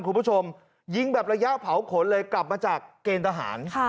คุณผู้ชมยิงแบบระยะเผาขนเลยกลับมาจากเกณฑ์ทหาร